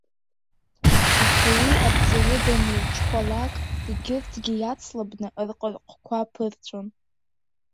Аха уи арҵаҩы данирҽхәалак, егьырҭгьы иацлабны рҟырҟқәа ԥырҵәон.